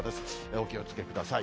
お気をつけください。